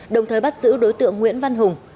đồng thời bắt giữ đối tượng nguyễn văn hùng